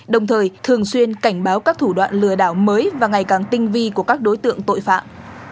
đồng thời thường xuyên cảnh báo các thủ đoạn lừa đảo mới và ngày càng tinh vi của các đối tượng tội phạm